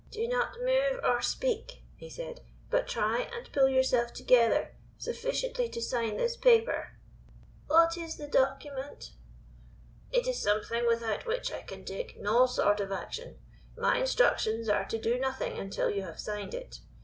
"Do not move or speak," he said, "but try and pull yourself together sufficiently to sign this paper." "What is the document?" "It is something without which I can take no sort of action. My instructions are to do nothing until you have signed it.